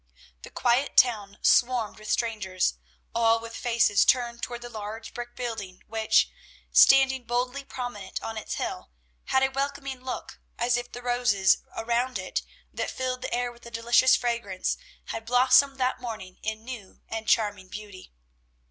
The quiet town swarmed with strangers, all with faces turned toward the large brick building which, standing boldly prominent on its hill, had a welcoming look, as if the roses around it, that filled the air with their delicious fragrance, had blossomed that morning in new and charming beauty.